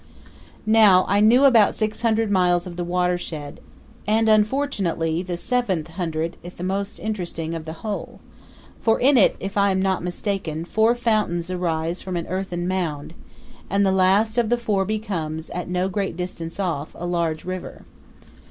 Now, I knew about six hundred miles of the watershed, and unfortunately the seventh hundred is the most interesting of the whole; for in it, if I am not mistaken, four fountains arise from an earthen mound, and the last of the four becomes, at no great distance off, a large river.